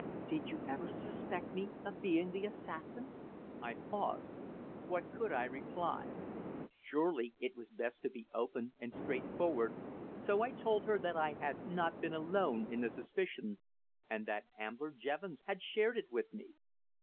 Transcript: "Did you ever suspect me of being the assassin?" I paused. What could I reply? Surely it was best to be open and straightforward. So I told her that I had not been alone in the suspicion, and that Ambler Jevons had shared it with me.